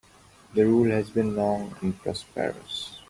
The rule has been long and prosperous.